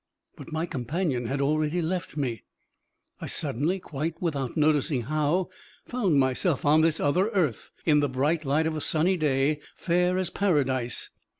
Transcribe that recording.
But my companion had already left me. I suddenly, quite without noticing how, found myself on this other earth, in the bright light of a sunny day, fair as paradise.